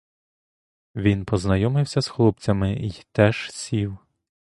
Він познайомився з хлопцями й теж сів.